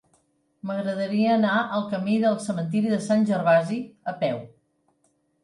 M'agradaria anar al camí del Cementiri de Sant Gervasi a peu.